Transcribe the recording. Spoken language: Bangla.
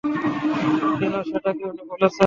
কেন সেটা কি উনি বলেছেন?